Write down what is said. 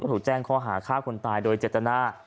ถูกแจ้งข้อหาฆ่าคนตายโดยเจตนา